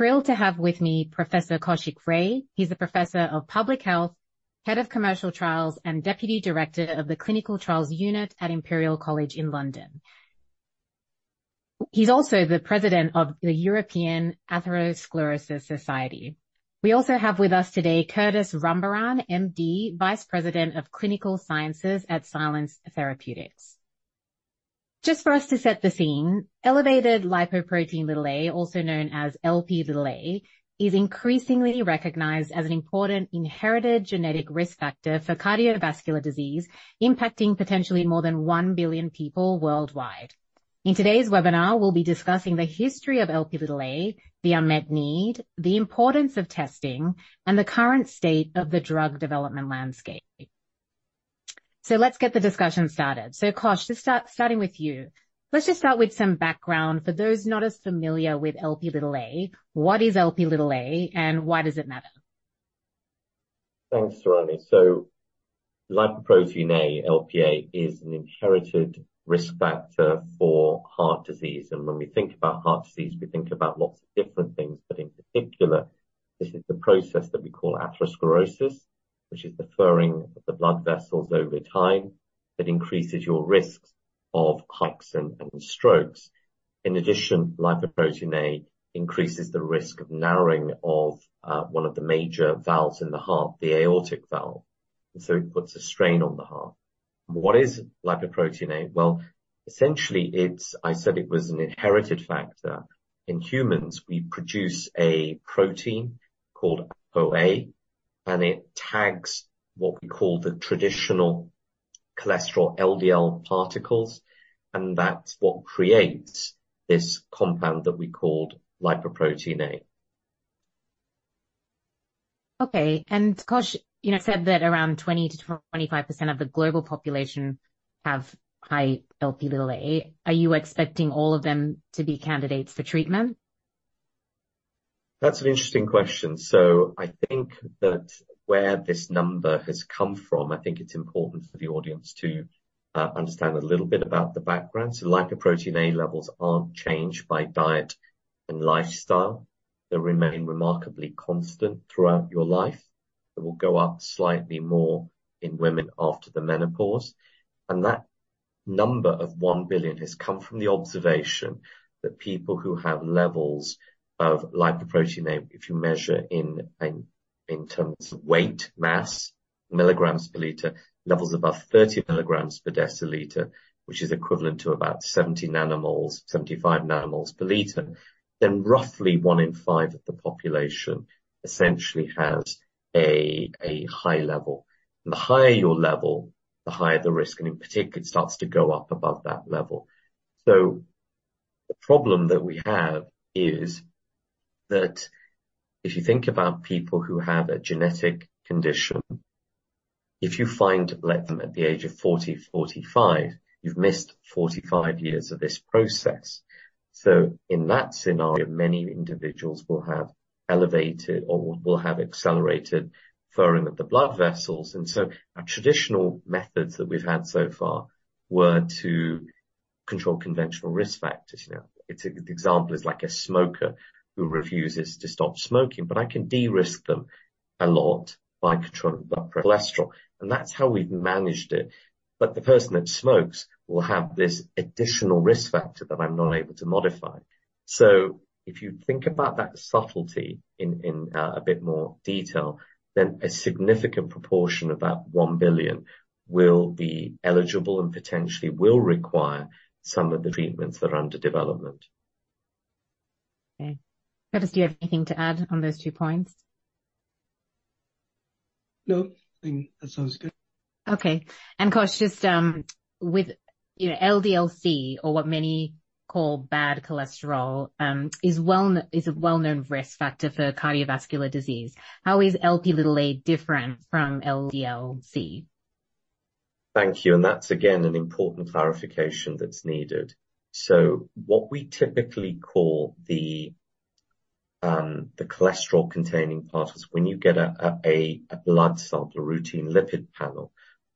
Thrilled to have with me Professor Kausik Ray. He's a professor of public health, head of commercial trials, and deputy director of the Clinical Trials Unit at Imperial College London. He's also the president of the European Atherosclerosis Society. We also have with us today Curtis Rambaran, MD, vice president of Clinical Sciences at Silence Therapeutics. Just for us to set the scene, elevated lipoprotein little a, also known as Lp(a), is increasingly recognized as an important inherited genetic risk factor for cardiovascular disease, impacting potentially more than 1 billion people worldwide. In today's webinar, we'll be discussing the history of Lp(a), the unmet need, the importance of testing, and the current state of the drug development landscape. So let's get the discussion started. So, Kash, just starting with you. Let's just start with some background. For those not as familiar with Lp(a), what is Lp(a), and why does it matter? Thanks, Surani. So lipoprotein(a), Lp(a), is an inherited risk factor for heart disease, and when we think about heart disease, we think about lots of different things, but in particular, this is the process that we call atherosclerosis, which is the furring of the blood vessels over time. It increases your risks of heart attacks and strokes. In addition, lipoprotein(a) increases the risk of narrowing of one of the major valves in the heart, the aortic valve, so it puts a strain on the heart. What is lipoprotein(a)? Well, essentially, it's... I said it was an inherited factor. In humans, we produce a protein called Apo(a), and it tags what we call the traditional cholesterol LDL particles, and that's what creates this compound that we called lipoprotein(a). Okay, and, Kausik, you know, said that around 20%-25% of the global population have high Lp(a). Are you expecting all of them to be candidates for treatment? That's an interesting question. So I think that where this number has come from, I think it's important for the audience to understand a little bit about the background. So lipoprotein(a) levels aren't changed by diet and lifestyle. They remain remarkably constant throughout your life. It will go up slightly more in women after the menopause, and that number of 1 billion has come from the observation that people who have levels of lipoprotein(a), if you measure in terms of weight, mass, milligrams per liter, levels above 30 mg/dL, which is equivalent to about 70 nmol, 75 nmol/L, then roughly one in five of the population essentially has a high level. The higher your level, the higher the risk, and in particular, it starts to go up above that level. So the problem that we have is that if you think about people who have a genetic condition, if you find them at the age of 40, 45, you've missed 45 years of this process. So in that scenario, many individuals will have elevated or will have accelerated furring of the blood vessels, and so our traditional methods that we've had so far were to control conventional risk factors. You know, a typical example is like a smoker who refuses to stop smoking, but I can de-risk them a lot by controlling blood cholesterol, and that's how we've managed it. But the person that smokes will have this additional risk factor that I'm not able to modify. So if you think about that subtlety in a bit more detail, then a significant proportion of that 1 billion will be eligible and potentially will require some of the treatments that are under development. Okay. Curtis, do you have anything to add on those two points? No. I think that sounds good. Okay. And, Kausik, just with, you know, LDL-C, or what many call bad cholesterol, is a well-known risk factor for cardiovascular disease. How is Lp(a) different from LDL-C? Thank you, and that's again, an important clarification that's needed. So what we typically call the, the cholesterol-containing particles, when you get a blood sample, a routine lipid panel,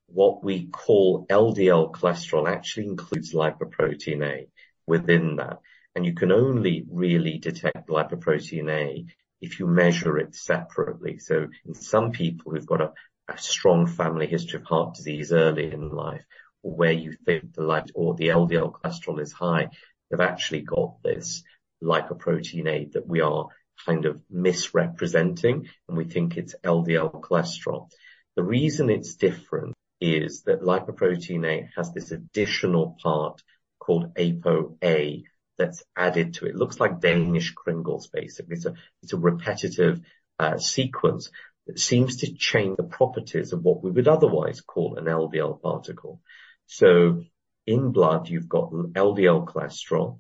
what we call LDL cholesterol actually includes lipoprotein(a) within that, and you can only really detect lipoprotein(a) if you measure it separately. So in some people who've got a strong family history of heart disease early in life, where you think or the LDL cholesterol is high, they've actually got this lipoprotein(a) that we are kind of misrepresenting, and we think it's LDL cholesterol. The reason it's different is that lipoprotein(a) has this additional part called Apo(a) that's added to it. Looks like Danish kringles, basically. It's a, it's a repetitive sequence that seems to change the properties of what we would otherwise call an LDL particle. So in blood, you've got LDL cholesterol,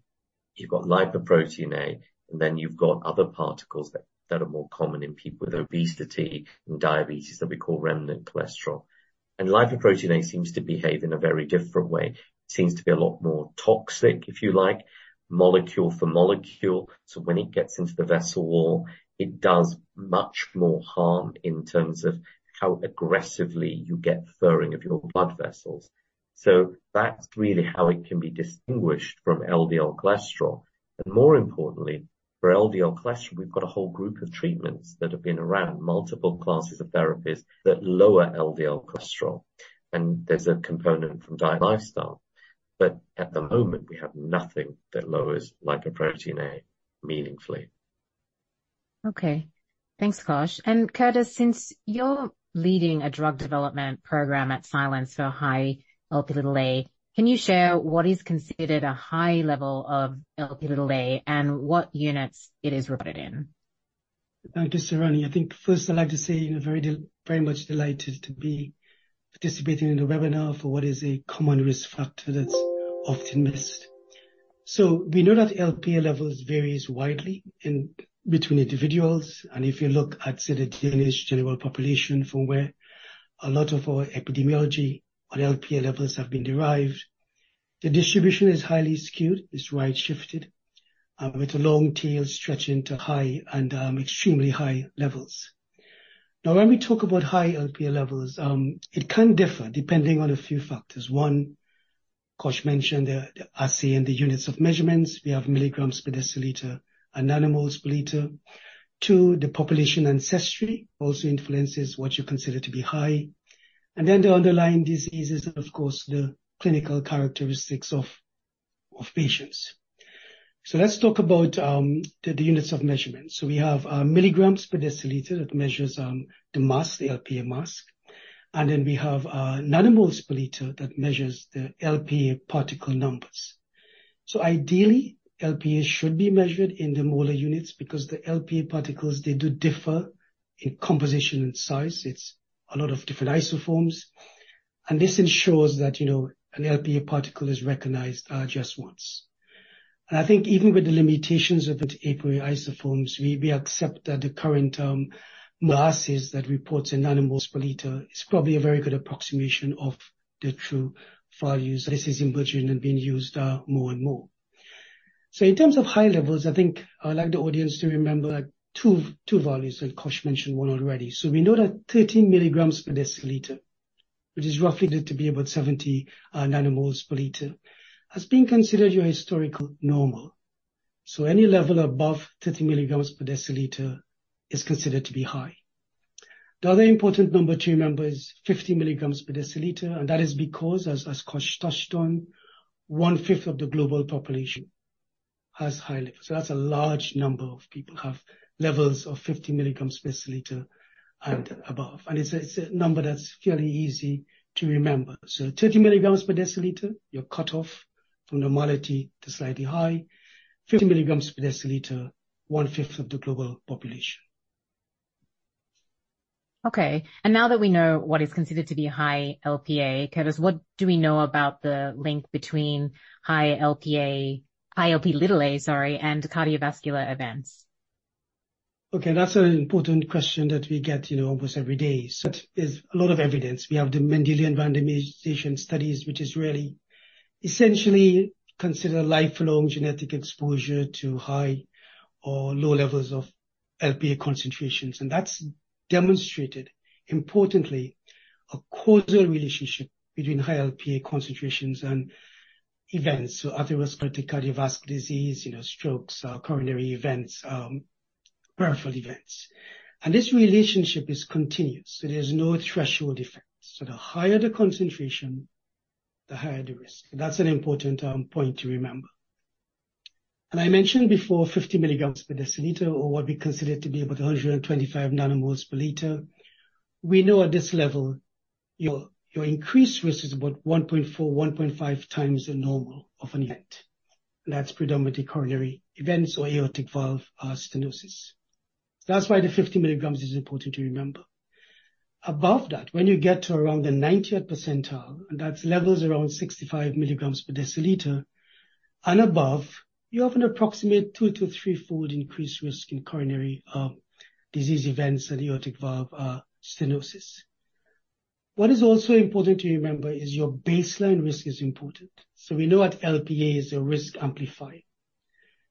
you've got lipoprotein(a), and then you've got other particles that are more common in people with obesity and diabetes that we call remnant cholesterol... and lipoprotein(a) seems to behave in a very different way. It seems to be a lot more toxic, if you like, molecule for molecule. So when it gets into the vessel wall, it does much more harm in terms of how aggressively you get furring of your blood vessels. So that's really how it can be distinguished from LDL cholesterol. But more importantly, for LDL cholesterol, we've got a whole group of treatments that have been around, multiple classes of therapies that lower LDL cholesterol, and there's a component from diet and lifestyle. But at the moment, we have nothing that lowers lipoprotein(a) meaningfully. Okay. Thanks, Kausik. And Curtis, since you're leading a drug development program at Silence for high Lp(a), can you share what is considered a high level of Lp(a) and what units it is reported in? Thank you, Surani. I think first I'd like to say I'm very much delighted to be participating in the webinar for what is a common risk factor that's often missed. So we know that Lp levels varies widely between individuals, and if you look at, say, the Danish general population, from where a lot of our epidemiology on Lp levels have been derived, the distribution is highly skewed. It's right shifted with a long tail stretching to high and extremely high levels. Now, when we talk about high Lp levels, it can differ depending on a few factors. One, Kausik mentioned the assay and the units of measurements. We have milligrams per deciliter and nanomoles per liter. Two, the population ancestry also influences what you consider to be high, and then the underlying diseases, of course, the clinical characteristics of patients. So let's talk about the units of measurement. So we have milligrams per deciliter that measures the mass, the Lp mass, and then we have nanomoles per liter that measures the Lp particle numbers. So ideally, Lp should be measured in the molar units because the Lp particles, they do differ in composition and size. It's a lot of different isoforms, and this ensures that, you know, an Lp particle is recognized just once. And I think even with the limitations of the Apo(a) isoforms, we accept that the current masses that reports in nanomoles per liter is probably a very good approximation of the true values. This is emerging and being used more and more. So in terms of high levels, I think I would like the audience to remember two values, and Kausik mentioned one already. So we know that 30 mg/dL, which is roughly said to be about 70 nmol/L, has been considered your historical normal. So any level above 30 mg/dL is considered to be high. The other important number to remember is 50 mg/dL, and that is because, as, as Kausik touched on, 1/5 of the global population has high levels. So that's a large number of people have levels of 50 mg/dL and above, and it's a, it's a number that's fairly easy to remember. So 30 mg/dL, your cutoff from normality to slightly high, 50 mg/dL, 1/5 of the global population. Okay, and now that we know what is considered to be high Lp(a), Curtis, what do we know about the link between high Lp(a), high Lp(a), sorry, and cardiovascular events? Okay, that's an important question that we get, you know, almost every day. So there's a lot of evidence. We have the Mendelian randomization studies, which is really essentially consider lifelong genetic exposure to high or low levels of Lp concentrations, and that's demonstrated, importantly, a causal relationship between high Lp concentrations and events. So atherosclerotic cardiovascular disease, you know, strokes, coronary events, peripheral events. And this relationship is continuous, so there's no threshold effect. So the higher the concentration, the higher the risk. That's an important point to remember. And I mentioned before, 50 mg/dL, or what we consider to be about 125 nmol/L. We know at this level, your increased risk is about 1.4-1.5 times the normal of an event. That's predominantly coronary events or aortic valve stenosis. That's why the 50 mg is important to remember. Above that, when you get to around the 90th percentile, and that's levels around 65 mg/dL and above, you have an approximate two to three-fold increased risk in coronary disease events and aortic valve stenosis. What is also important to remember is your baseline risk is important. So we know that Lp is a risk amplifier.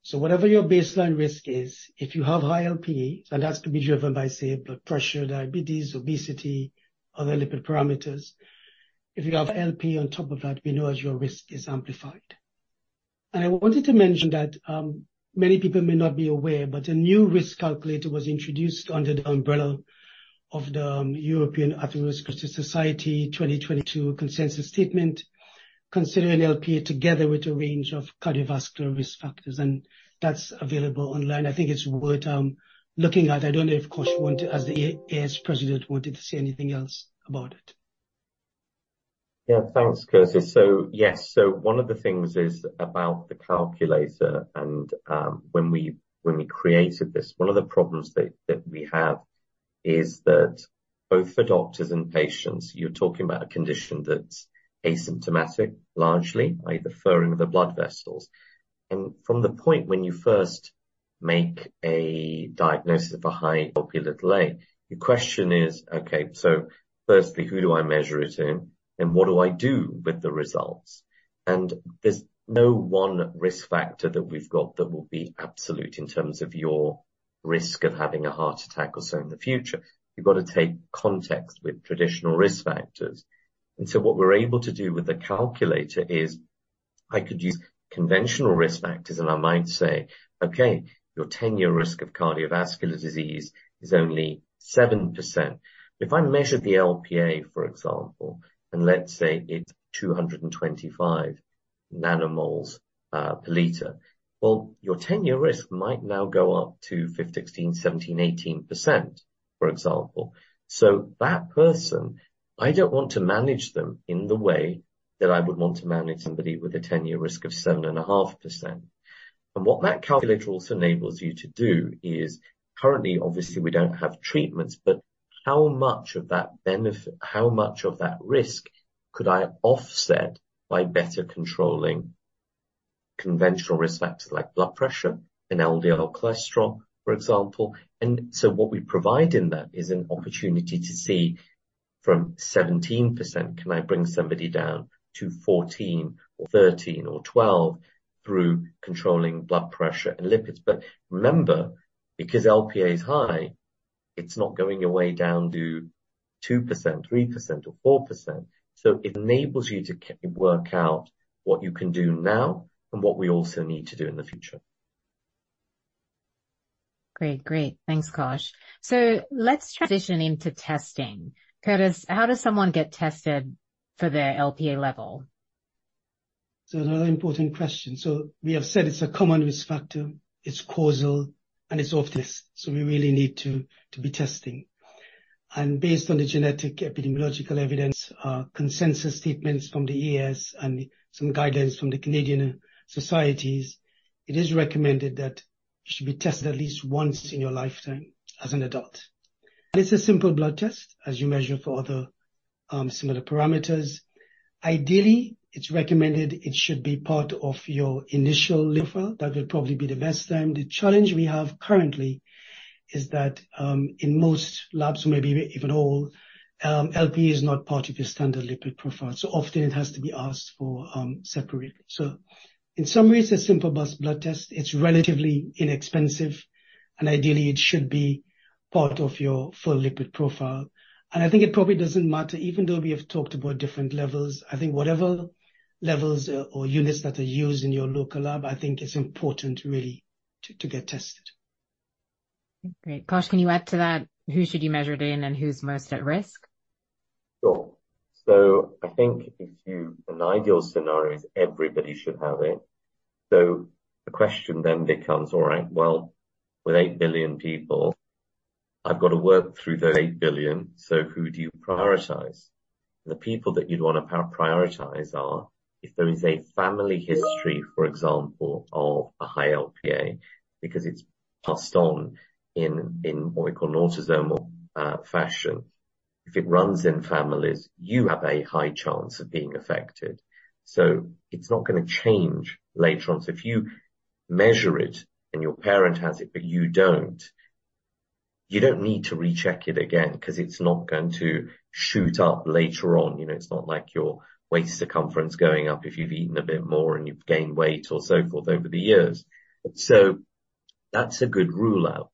So whatever your baseline risk is, if you have high Lp, and that's to be driven by, say, blood pressure, diabetes, obesity, other lipid parameters, if you have Lp on top of that, we know your risk is amplified. I wanted to mention that, many people may not be aware, but a new risk calculator was introduced under the umbrella of the, European Atherosclerosis Society 2022 consensus statement, considering Lp together with a range of cardiovascular risk factors, and that's available online. I think it's worth, looking at. I don't know if, Kausik, you wanted, as the EAS president, wanted to say anything else about it. Yeah. Thanks, Curtis. So yes, so one of the things is about the calculator, and when we created this, one of the problems that we have is that both for doctors and patients, you're talking about a condition that's asymptomatic, largely, like the furring of the blood vessels. And from the point when you first make a diagnosis of a high Lp(a). The question is, okay, so firstly, who do I measure it in? And what do I do with the results? And there's no one risk factor that we've got that will be absolute in terms of your risk of having a heart attack or so in the future. You've got to take context with traditional risk factors. And so what we're able to do with the calculator is I could use conventional risk factors, and I might say, "Okay, your ten-year risk of cardiovascular disease is only 7%." If I measured the Lp(a), for example, and let's say it's 225 nmol/L, well, your ten-year risk might now go up to 15%, 17%, 18%, for example. So that person, I don't want to manage them in the way that I would want to manage somebody with a ten-year risk of 7.5%. And what that calculator also enables you to do is, currently, obviously, we don't have treatments, but how much of that risk could I offset by better controlling conventional risk factors like blood pressure and LDL cholesterol, for example? And so what we provide in that is an opportunity to see from 17%, can I bring somebody down to 14% or 13% or 12% through controlling blood pressure and lipids? But remember, because Lp is high, it's not going your way down to 2%, 3% or 4%. So it enables you to work out what you can do now and what we also need to do in the future. Great. Great. Thanks, Kash. Let's transition into testing. Curtis, how does someone get tested for their Lp(a) level? Another important question. We have said it's a common risk factor, it's causal, and it's off this. We really need to be testing. Based on the genetic epidemiological evidence, consensus statements from the EAS and some guidelines from the Canadian societies, it is recommended that you should be tested at least once in your lifetime as an adult. It's a simple blood test, as you measure for other similar parameters. Ideally, it's recommended it should be part of your initial lipid. That would probably be the best time. The challenge we have currently is that, in most labs, maybe even all, Lp(a) is not part of your standard lipid profile, so often it has to be asked for separately. In some ways, a simple blood test, it's relatively inexpensive, and ideally, it should be part of your full lipid profile. I think it probably doesn't matter. Even though we have talked about different levels, I think whatever levels or units that are used in your local lab, I think it's important really to get tested. Great. Kash, can you add to that? Who should you measure it in, and who's most at risk? Sure. So I think, an ideal scenario is everybody should have it. So the question then becomes, all right, well, with 8 billion people, I've got to work through those 8 billion. So who do you prioritize? The people that you'd want to prioritize are, if there is a family history, for example, of a high Lp(a), because it's passed on in what we call an autosomal fashion. If it runs in families, you have a high chance of being affected, so it's not gonna change later on. So if you measure it and your parent has it, but you don't, you don't need to recheck it again, 'cause it's not going to shoot up later on. You know, it's not like your waist circumference going up if you've eaten a bit more and you've gained weight or so forth over the years. So that's a good rule-out.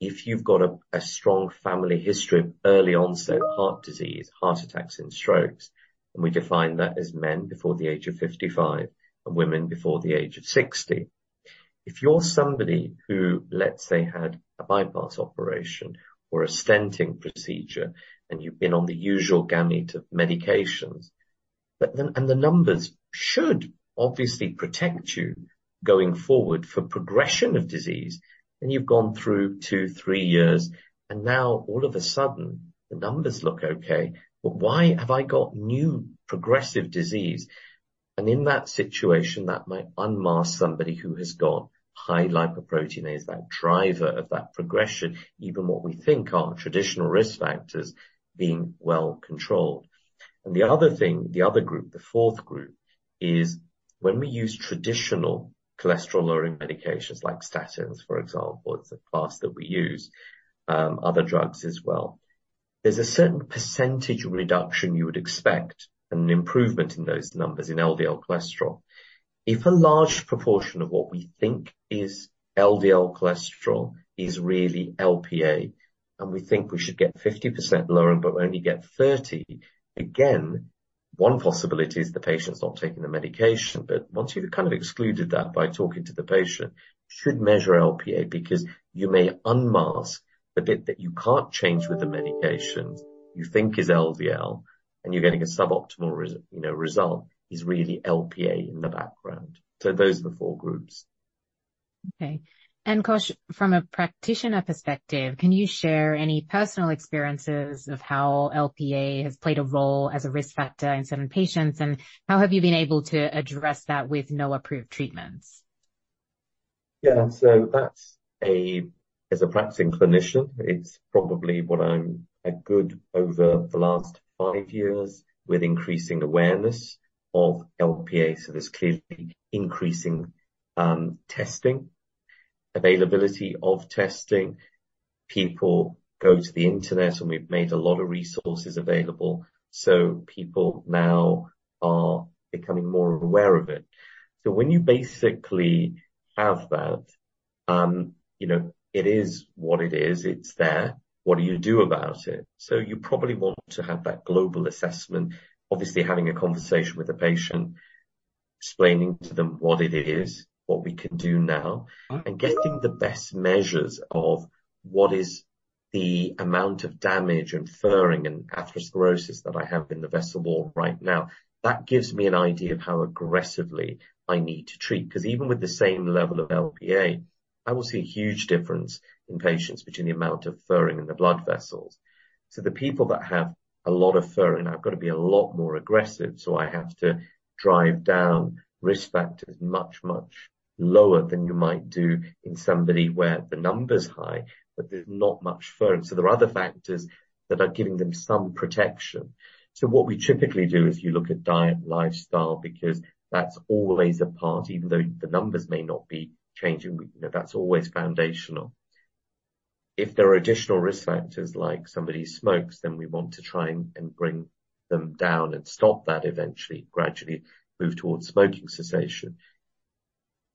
If you've got a strong family history of early-onset heart disease, heart attacks and strokes, and we define that as men before the age of 55 and women before the age of 60. If you're somebody who, let's say, had a bypass operation or a stenting procedure, and you've been on the usual gamut of medications, but then... The numbers should obviously protect you going forward for progression of disease, and you've gone through two to three years, and now all of a sudden, the numbers look okay, but why have I got new progressive disease? In that situation, that might unmask somebody who has got high lipoprotein(a), as that driver of that progression, even what we think are traditional risk factors being well controlled. The other thing, the other group, the fourth group, is when we use traditional cholesterol-lowering medications like statins, for example, it's a class that we use, other drugs as well. There's a certain percentage reduction you would expect and an improvement in those numbers in LDL cholesterol. If a large proportion of what we think is LDL cholesterol is really Lp(a), and we think we should get 50% lowering, but we only get 30, again, one possibility is the patient's not taking the medication. But once you've kind of excluded that by talking to the patient, you should measure Lp(a) because you may unmask the bit that you can't change with the medications you think is LDL, and you're getting a suboptimal, you know, result, is really Lp(a) in the background. So those are the four groups. Okay. And, Kash, from a practitioner perspective, can you share any personal experiences of how Lp has played a role as a risk factor in certain patients, and how have you been able to address that with no approved treatments? Yeah. So that's as a practicing clinician, it's probably what I've got over the last five years with increasing awareness of Lp(a), so there's clearly increasing testing. Availability of testing. People go to the Internet, and we've made a lot of resources available, so people now are becoming more aware of it. So when you basically have that, you know, it is what it is. It's there. What do you do about it? So you probably want to have that global assessment. Obviously, having a conversation with the patient, explaining to them what it is, what we can do now, and getting the best measures of what is the amount of damage, and furring, and atherosclerosis that I have in the vessel wall right now. That gives me an idea of how aggressively I need to treat, 'cause even with the same level of Lp(a), I will see a huge difference in patients between the amount of furring in the blood vessels. So the people that have a lot of furring, I've got to be a lot more aggressive, so I have to drive down risk factors much, much lower than you might do in somebody where the number's high, but there's not much furring. So there are other factors that are giving them some protection. So what we typically do is, you look at diet and lifestyle, because that's always a part, even though the numbers may not be changing, you know, that's always foundational. If there are additional risk factors, like somebody smokes, then we want to try and bring them down and stop that eventually, gradually move towards smoking cessation.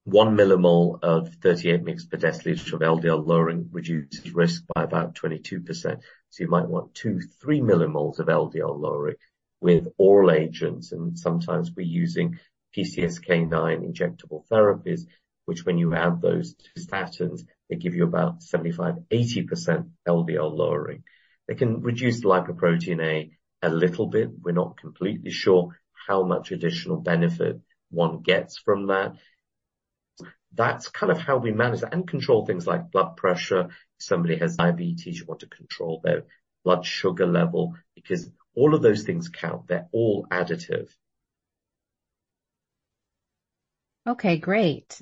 1 mmol or 38 mg/dL of LDL lowering reduces risk by about 22%. So you might want 2 mmol-3 mmol of LDL lowering with oral agents, and sometimes we're using PCSK9 injectable therapies, which when you add those to statins, they give you about 75%-80% LDL lowering. They can reduce lipoprotein(a) a little bit. We're not completely sure how much additional benefit one gets from that. That's kind of how we manage that and control things like blood pressure. If somebody has diabetes, you want to control their blood sugar level because all of those things count. They're all additive. Okay, great.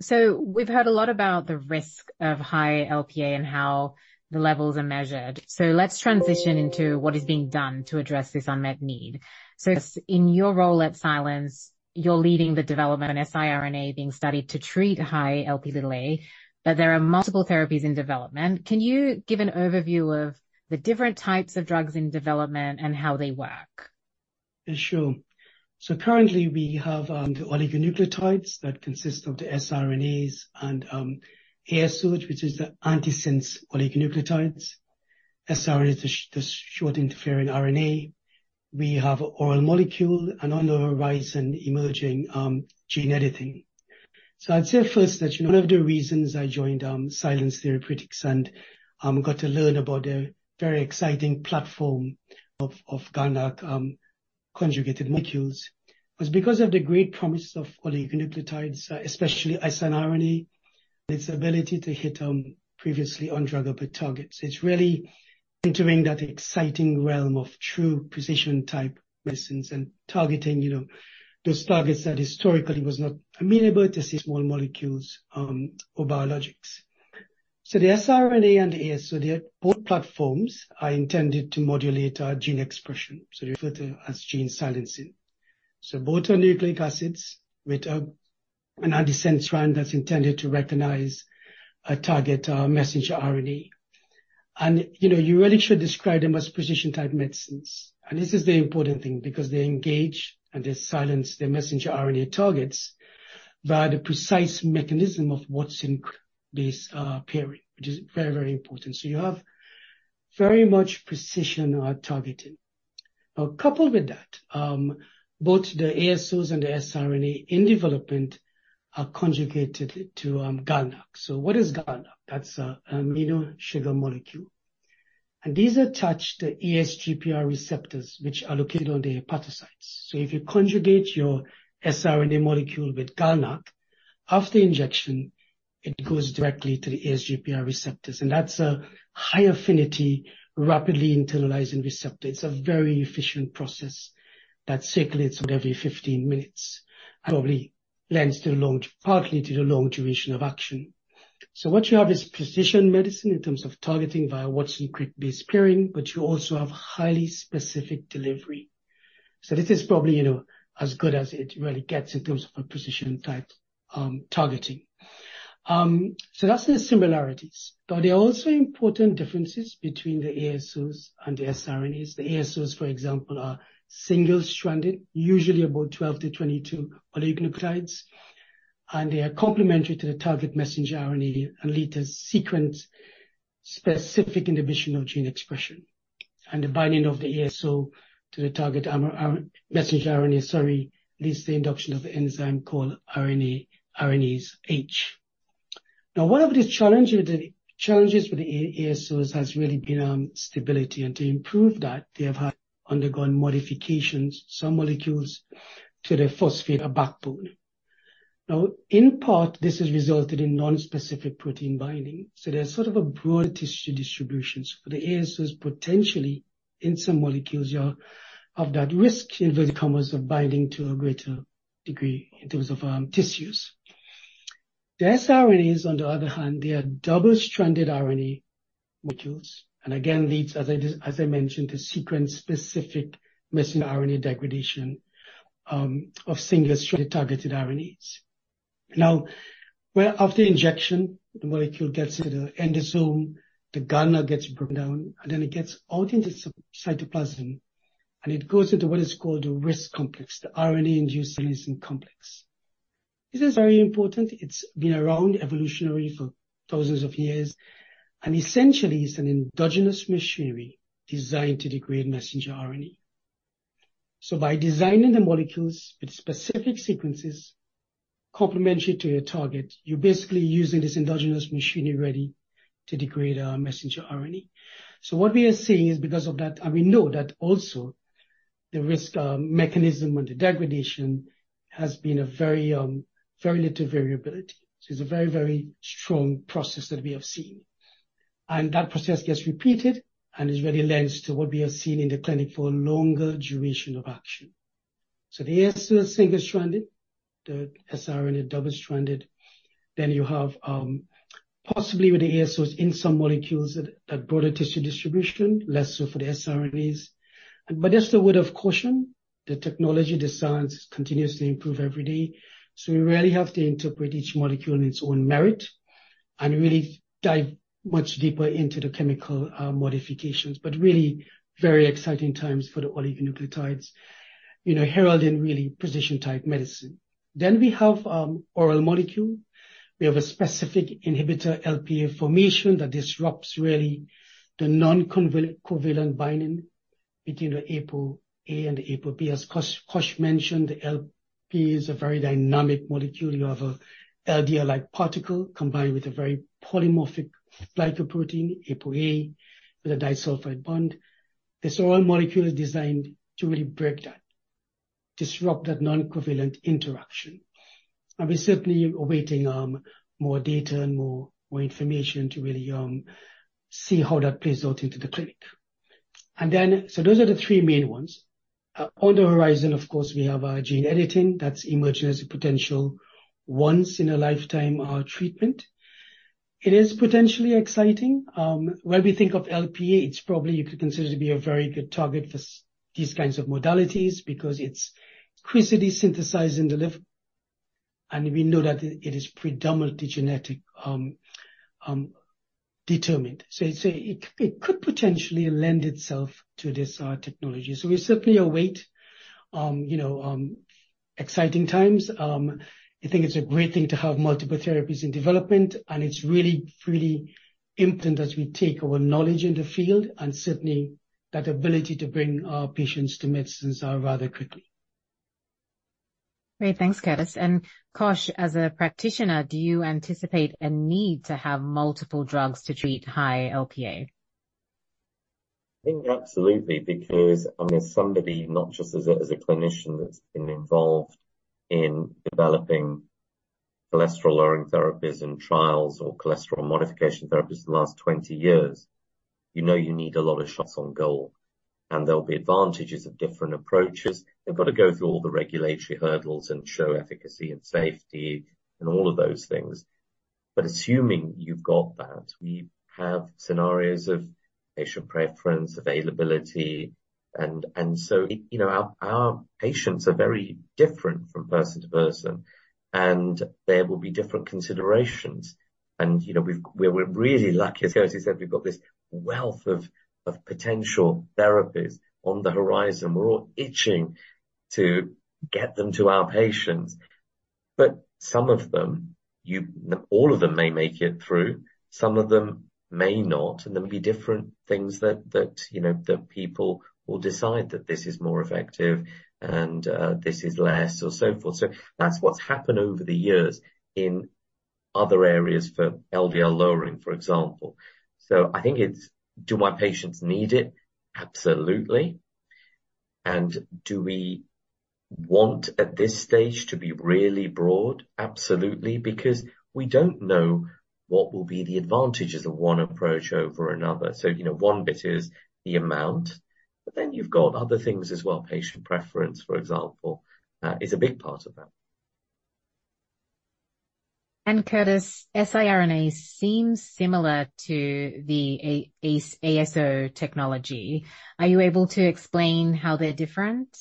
So we've heard a lot about the risk of high Lp(a) and how the levels are measured. So let's transition into what is being done to address this unmet need. So in your role at Silence, you're leading the development of an siRNA being studied to treat high Lp(a), but there are multiple therapies in development. Can you give an overview of the different types of drugs in development and how they work? Yeah, sure. So currently we have the oligonucleotides that consist of the siRNAs and ASO, which is the antisense oligonucleotides. siRNA is the short interfering RNA. We have oral molecule, and on the horizon, emerging gene editing. So I'd say first that one of the reasons I joined Silence Therapeutics and got to learn about the very exciting platform of GalNAc conjugated molecules was because of the great promise of oligonucleotides, especially siRNA, its ability to hit previously undruggable targets. It's really entering that exciting realm of true precision-type medicines and targeting, you know, those targets that historically was not amenable to see small molecules or biologics. So the siRNA and the ASO, they are both platforms, are intended to modulate gene expression, so referred to as gene silencing. Both are nucleic acids with an antisense strand that's intended to recognize a target messenger RNA. You know, you really should describe them as precision-type medicines. This is the important thing because they engage and they silence the messenger RNA targets via the precise mechanism of Watson-Crick base pairing, which is very, very important. You have very much precision targeting. Now, coupled with that, both the ASOs and the siRNA in development are conjugated to GalNAc. What is GalNAc? That's an amino sugar molecule, and these attach to the ASGPR receptors, which are located on the hepatocytes. If you conjugate your siRNA molecule with GalNAc, after injection, it goes directly to the ASGPR receptors, and that's a high-affinity, rapidly internalizing receptor. It's a very efficient process that circulates about every 15 minutes, probably lends to the long, partly to the long duration of action. So what you have is precision medicine in terms of targeting via Watson-Crick base pairing, but you also have highly specific delivery. So this is probably, you know, as good as it really gets in terms of a precision-type targeting. So that's the similarities, but there are also important differences between the ASOs and the siRNAs. The ASOs, for example, are single-stranded, usually about 12-22 oligonucleotides, and they are complementary to the target messenger RNA and lead to sequence-specific inhibition of gene expression. And the binding of the ASO to the target messenger RNA, sorry, leads to the induction of the enzyme called RNA, RNase H. Now, one of the challenges with the ASOs has really been stability, and to improve that, they have undergone modifications, some to the phosphate backbone. Now, in part, this has resulted in nonspecific protein binding, so there's sort of a broad tissue distribution. For the ASOs, potentially in some molecules, you are of that risk in terms of binding to a greater degree in terms of tissues. The siRNAs, on the other hand, they are double-stranded RNA molecules, and again, leads, as I mentioned, the sequence-specific messenger RNA degradation of single-stranded targeted RNAs. Now, after injection, the molecule gets into the endosome, the passenger gets broken down, and then it gets out into the cytoplasm, and it goes into what is called the RISC complex, the RNA-induced silencing complex. This is very important. It's been around evolutionarily for thousands of years and essentially is an endogenous machinery designed to degrade messenger RNA. So by designing the molecules with specific sequences complementary to your target, you're basically using this endogenous machinery ready to degrade our messenger RNA. So what we are seeing is because of that, and we know that also the RISC mechanism and the degradation has been a very, very little variability. So it's a very, very strong process that we have seen, and that process gets repeated and is really lends to what we have seen in the clinic for a longer duration of action. So the ASO is single-stranded, the siRNA is double-stranded. Then you have possibly with the ASOs in some molecules that broader tissue distribution, less so for the siRNAs. But that's the word of caution. The technology, the science, continuously improve every day, so we really have to interpret each molecule in its own merit and really dive much deeper into the chemical modifications, but really very exciting times for the oligonucleotides, you know, heralding really precision-type medicine. Then we have oral molecule. We have a specific inhibitor Lp(a) formation that disrupts really the non-covalent, covalent binding between the Apo(a) and the ApoB. As Kausik mentioned, the Lp(a) is a very dynamic molecule. You have a LDL-like particle combined with a very polymorphic glycoprotein, Apo(a), with a disulfide bond. This oral molecule is designed to really break that, disrupt that non-covalent interaction. And we're certainly awaiting more data and more information to really see how that plays out into the clinic. And then so those are the three main ones. On the horizon, of course, we have our gene editing that's emerging as a potential once-in-a-lifetime treatment. It is potentially exciting. When we think of Lp(a), it's probably you could consider to be a very good target for these kinds of modalities because it's increasingly synthesized in the liver, and we know that it is predominantly genetic determined. So it, it could potentially lend itself to this technology. So we certainly await, you know, exciting times. I think it's a great thing to have multiple therapies in development, and it's really, really important as we take our knowledge in the field and certainly that ability to bring our patients to medicines rather quickly. Great. Thanks, Curtis. Kausik, as a practitioner, do you anticipate a need to have multiple drugs to treat high Lp(a)? I think absolutely, because as somebody, not just as a, as a clinician that's been involved in developing cholesterol-lowering therapies and trials or cholesterol modification therapies for the last 20 years, you know you need a lot of shots on goal, and there'll be advantages of different approaches. They've got to go through all the regulatory hurdles and show efficacy and safety and all of those things. But assuming you've got that, we have scenarios of patient preference, availability, and, and so, you know, our, our patients are very different from person to person, and there will be different considerations. And, you know, we've, we're really lucky, as Curtis said, we've got this wealth of, of potential therapies on the horizon. We're all itching to get them to our patients. But some of them, you not all of them may make it through, some of them may not, and there may be different things that you know that people will decide that this is more effective and this is less or so forth. So that's what's happened over the years in other areas for LDL lowering, for example. So I think it's, do my patients need it? Absolutely. And do we want, at this stage, to be really broad? Absolutely. Because we don't know what will be the advantages of one approach over another. So, you know, one bit is the amount, but then you've got other things as well. Patient preference, for example, is a big part of that. Curtis, siRNAs seem similar to the ASO technology. Are you able to explain how they're different?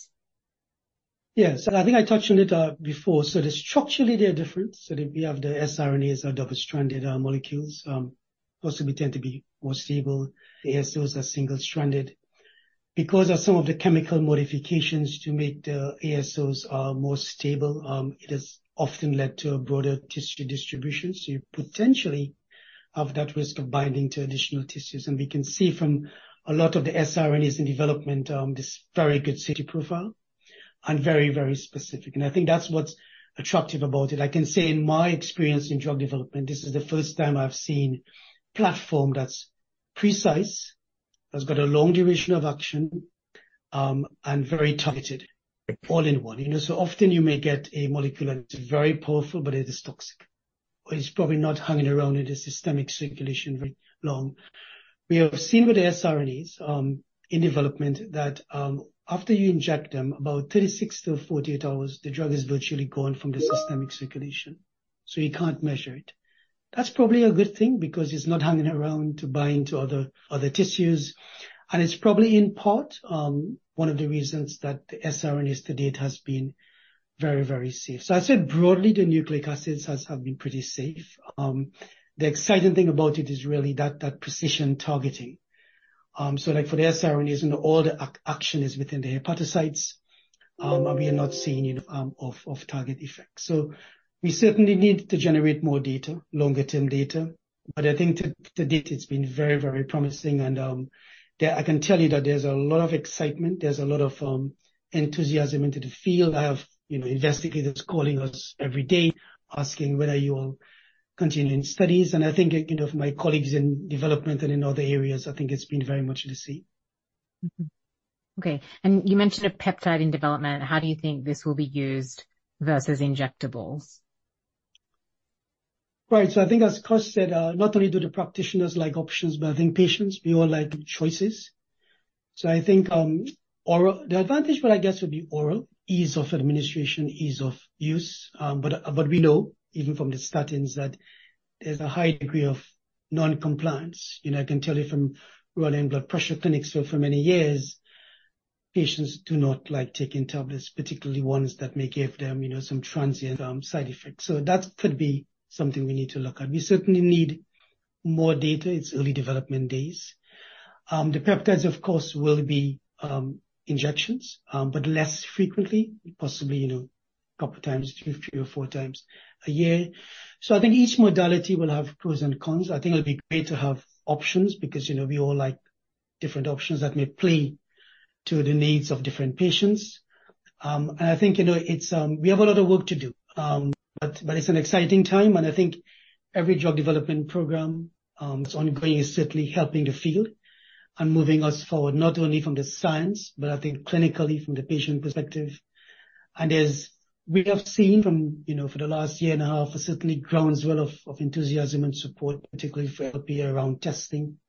Yes. I think I touched on it, before. So structurally, they're different. So if you have the siRNAs are double-stranded, molecules, possibly tend to be more stable. ASOs are single-stranded. Because of some of the chemical modifications to make the ASOs, more stable, it has often led to a broader tissue distribution. So you potentially have that risk of binding to additional tissues, and we can see from a lot of the siRNAs in development, this very good safety profile and very, very specific, and I think that's what's attractive about it. I can say in my experience in drug development, this is the first time I've seen a platform that's precise, that's got a long duration of action, and very targeted, all in one. You know, so often you may get a molecule, and it's very powerful, but it is toxic, or it's probably not hanging around in the systemic circulation very long. We have seen with the siRNAs in development that after you inject them, about 36-48 hours, the drug is virtually gone from the systemic circulation, so you can't measure it. That's probably a good thing because it's not hanging around to bind to other tissues, and it's probably in part one of the reasons that the siRNAs to date has been very, very safe. So I said broadly, the nucleic acids has, have been pretty safe. The exciting thing about it is really that precision targeting. So like for the siRNAs, you know, all the action is within the hepatocytes, and we are not seeing it off-target effects. So we certainly need to generate more data, longer-term data. But I think to, to date, it's been very, very promising, and, yeah, I can tell you that there's a lot of excitement, there's a lot of, enthusiasm into the field. I have, you know, investigators calling us every day asking whether you're continuing studies. And I think, you know, for my colleagues in development and in other areas, I think it's been very much the same. Mm-hmm. Okay, and you mentioned a peptide in development. How do you think this will be used versus injectables? Right. So I think as Kausik said, not only do the practitioners like options, but I think patients, we all like choices. So I think, oral—the advantage for, I guess, would be oral, ease of administration, ease of use. But, but we know even from the statins, that there's a high degree of non-compliance. You know, I can tell you from running blood pressure clinics for, for many years, patients do not like taking tablets, particularly ones that may give them, you know, some transient, side effects. So that could be something we need to look at. We certainly need more data. It's early development days. The peptides, of course, will be, injections, but less frequently, possibly, you know, a couple times, three or four times a year. So I think each modality will have pros and cons. I think it'll be great to have options because, you know, we all like different options that may play to the needs of different patients. And I think, you know, it's... we have a lot of work to do. But it's an exciting time, and I think every drug development program, it's only going to be certainly helping the field and moving us forward, not only from the science, but I think clinically from the patient perspective. And as we have seen from, you know, for the last year and a half, certainly grown as well of enthusiasm and support, particularly for Lp around testing,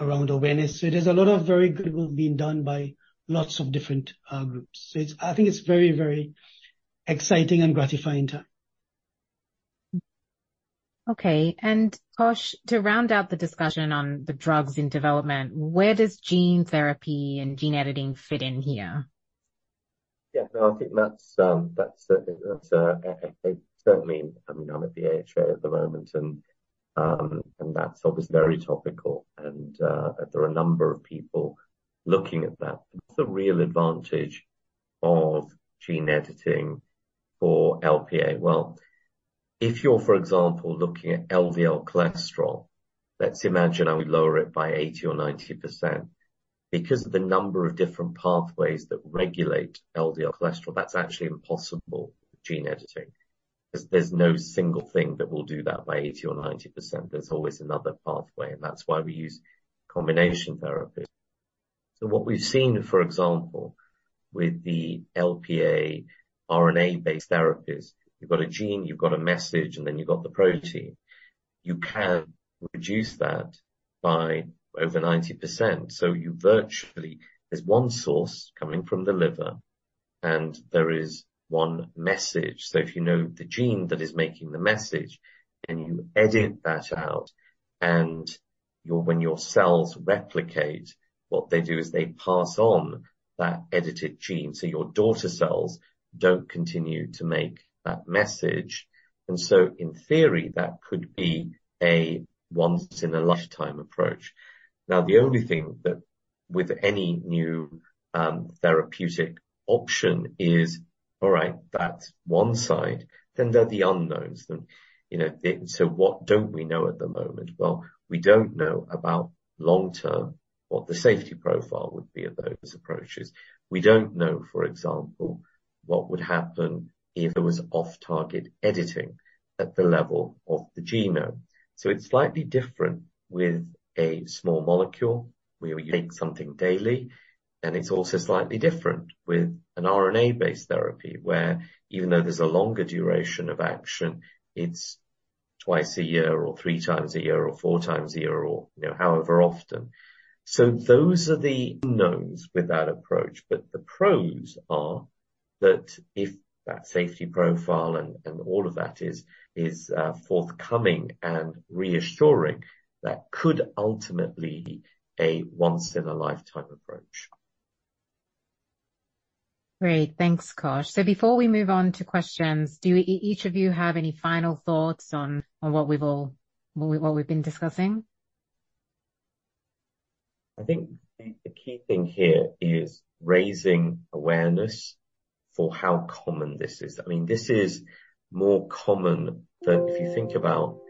around awareness. So there's a lot of very good work being done by lots of different groups. So it's, I think it's very, very exciting and gratifying time. Okay, and Kausik, to round out the discussion on the drugs in development, where does gene therapy and gene editing fit in here? Yeah, no, I think that's certainly I mean, I'm at the AHA at the moment, and that's obviously very topical, and there are a number of people looking at that. What's the real advantage of gene editing for Lp(a)? Well, if you're, for example, looking at LDL cholesterol, let's imagine how we lower it by 80% or 90%. Because of the number of different pathways that regulate LDL cholesterol, that's actually impossible with gene editing, 'cause there's no single thing that will do that by 80% or 90%. There's always another pathway, and that's why we use combination therapies. So what we've seen, for example, with the Lp(a) RNA-based therapies, you've got a gene, you've got a message, and then you've got the protein. You can reduce that by over 90%. So, virtually, there's one source coming from the liver, and there is one message. So if you know the gene that is making the message, and you edit that out, and when your cells replicate, what they do is they pass on that edited gene, so your daughter cells don't continue to make that message. And so in theory, that could be a once-in-a-lifetime approach. Now, the only thing that, with any new therapeutic option, is, all right, that's one side, then there are the unknowns. Then, you know, so what don't we know at the moment? Well, we don't know about long-term what the safety profile would be of those approaches. We don't know, for example, what would happen if there was off-target editing at the level of the genome. So it's slightly different with a small molecule, where we take something daily, and it's also slightly different with an RNA-based therapy, where even though there's a longer duration of action, it's twice a year or three times a year, or four times a year, or, you know, however often. So those are the unknowns with that approach. But the pros are that if that safety profile and, and all of that is, is, forthcoming and reassuring, that could ultimately be a once-in-a-lifetime approach. Great. Thanks, Kausik. So before we move on to questions, do each of you have any final thoughts on what we've been discussing? I think the key thing here is raising awareness for how common this is. I mean, this is more common than- if you think about,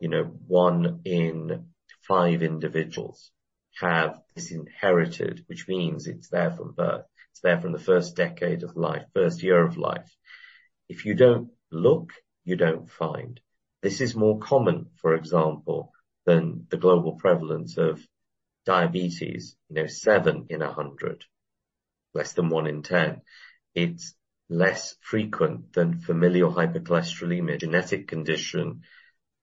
you know, one in five individuals have this inherited, which means it's there from birth. It's there from the first decade of life, first year of life. If you don't look, you don't find. This is more common, for example, than the global prevalence of diabetes, you know, seven in 100.... less than one in 10. It's less frequent than familial hypercholesterolemia, a genetic condition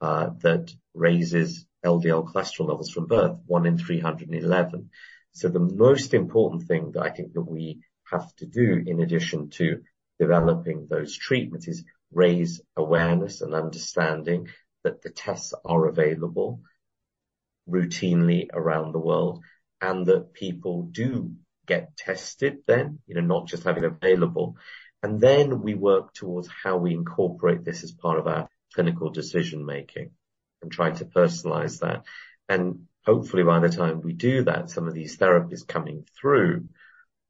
that raises LDL cholesterol levels from birth, one in 311. So the most important thing that I think that we have to do, in addition to developing those treatments, is raise awareness and understanding that the tests are available routinely around the world, and that people do get tested, then, you know, not just have it available. And then we work towards how we incorporate this as part of our clinical decision-making and try to personalize that. And hopefully, by the time we do that, some of these therapies coming through